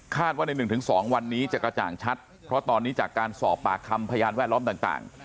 ว่าใน๑๒วันนี้จะกระจ่างชัดเพราะตอนนี้จากการสอบปากคำพยานแวดล้อมต่าง